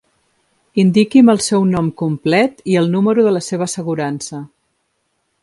Indiqui'm el seu nom complet i el número de la seva assegurança.